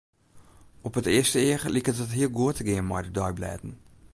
Op it earste each liket it hiel goed te gean mei de deiblêden.